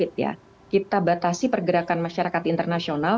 kita batasi pergerakan masyarakat internasional kita batasi pergerakan masyarakat internasional